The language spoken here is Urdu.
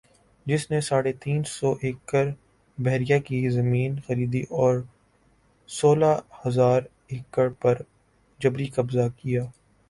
جس نے ساڑھے تین سو ایکڑبحریہ کی زمین خریدی اور سولہ ھزار ایکڑ پر جبری قبضہ کیا